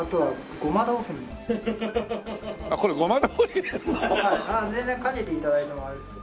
あっ全然かけて頂いてもあれですけど。